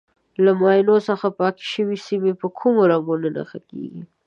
له ماینو څخه پاکې شوې سیمې په کومو رنګونو نښه کېږي.